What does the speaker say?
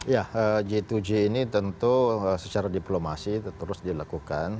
ya g dua g ini tentu secara diplomasi terus dilakukan